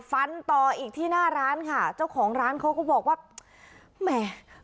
ฟันต่ออีกที่หน้าร้านค่ะเจ้าของร้านเขาก็บอกว่าแหม